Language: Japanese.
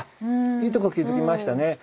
いいとこ気付きましたね。